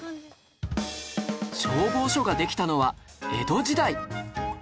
消防署ができたのは江戸時代